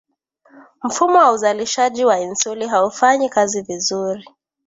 mfumo wa uzalishaji wa insulini haufanyi kazi vizuri